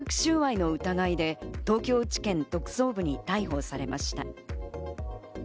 その後、受託収賄の疑いで東京地検特捜部に逮捕されました。